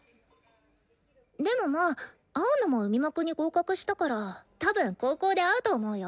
でもまあ青野も海幕に合格したからたぶん高校で会うと思うよ。